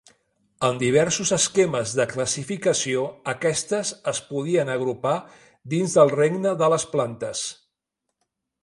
En diversos esquemes de classificació, aquestes es podien agrupar dins del regne de les plantes.